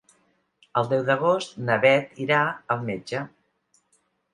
El deu d'agost na Beth irà al metge.